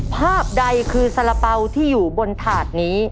ภาพใดคือสาระเป๋าที่อยู่บนถาดนี้